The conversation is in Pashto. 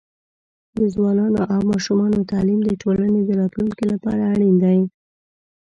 د ځوانانو او ماشومانو تعليم د ټولنې د راتلونکي لپاره اړین دی.